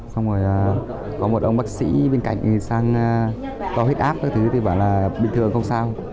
xong rồi có một ông bác sĩ bên cạnh sang cao huyết áp các thứ thì bảo là bình thường không sao